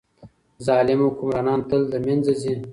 ظالم حکمرانان تل له منځه ځي.